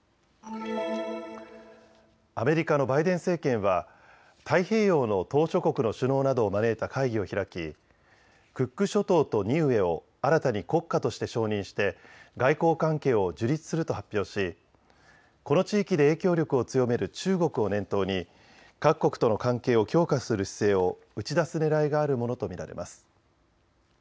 アメリカのバイデン政権は太平洋の島しょ国の首脳などを招いた会議を開きクック諸島とニウエを新たに国家として承認して外交関係を樹立すると発表しこの地域で影響力を強める中国を念頭に各国との関係を強化する姿勢を打ち出すねらいがあるものと見られます。